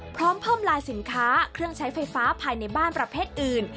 พร้อมเพิ่มลายสินค้าเครื่องใช้ไฟฟ้าภายในบ้านประเภทอื่น